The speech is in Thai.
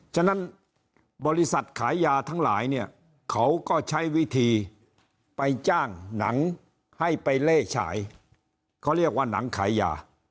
ฉะนั้นบริษัทขายยาทั้งหลายเนี่ยเขาก็ใช้วิธีไปจ้างหนังให้ไปเล่ฉายเขาเรียกว่าหนังขายยา